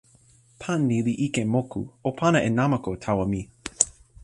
pan ni li ike moku. o pana e namako tawa mi.